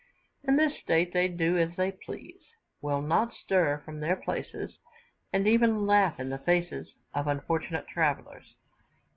In this state they do as they please, will not stir from their places, and even laugh in the faces of the unfortunate travellers.